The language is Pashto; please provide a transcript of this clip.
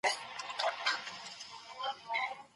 د اسلامي شريعت له نظره ميرمن څه حقوق لري؟